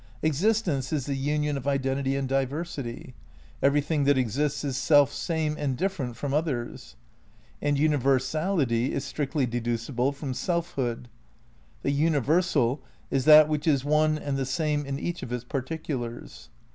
Existence is the union of identity and diversity. Everything that exists is self same and different from others. And Universality is strictly deducible from Self hood. The Universal is that which is one and the same in each of its particulars.